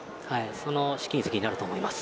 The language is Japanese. その試金石になると思います。